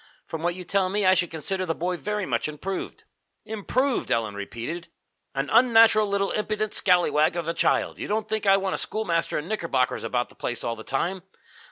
From what you tell me, I should consider the boy very much improved." "Improved!" Ellen repeated. "An unnatural little impudent scallywag of a child! You don't think I want a schoolmaster in knickerbockers about the place all the time?